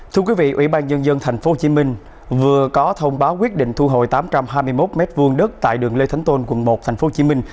thưa quý vị ủy ban nhân dân tp hcm vừa có thông báo quyết định thu hồi tám trăm hai mươi một m hai đất tại đường lê thánh tôn quận một tp hcm